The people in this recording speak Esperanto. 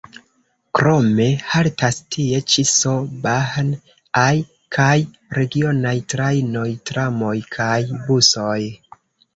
Krome haltas tie ĉi S-Bahn-aj kaj regionaj trajnoj, tramoj kaj busoj.